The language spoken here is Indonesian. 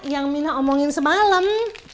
yang minah omongin semalam